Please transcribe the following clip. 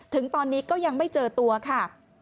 ถึงตอนนี้ก็ยังไม่เจอตัวค่ะ